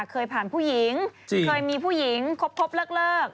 เคยผ่านผู้หญิงเคยมีผู้หญิงครบเลิก